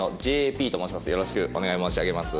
よろしくお願い申し上げます。